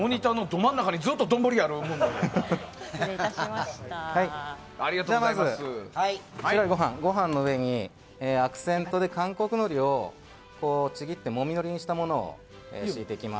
まず白いご飯の上にアクセントで韓国のりをちぎってもみのりにしたものを敷いていきます。